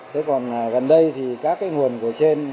thế còn gần đây thì các cái nguồn của trên